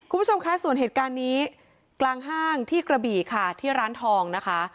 คุณผู้ชมคะส่วนเหตุการณ์นี้กลางห้างที่กระบี่ค่ะที่ร้านทองนะคะ